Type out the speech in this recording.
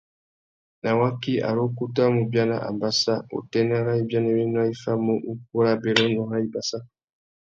Nà waki, ari ukutu a mú biana ambassa, utênê râ ibianéwénô i famú ukú râ abérénô râ ibassa.